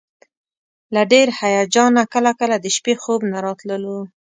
له ډېر هیجانه کله کله د شپې خوب نه راتللو.